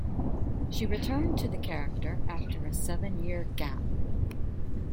She returned to the character after a seven-year gap.